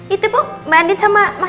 itu bu mbak andin sama mas al